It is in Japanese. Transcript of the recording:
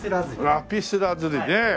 ラピスラズリねえ。